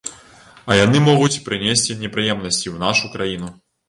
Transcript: А яны могуць прынесці непрыемнасці і ў нашу краіну.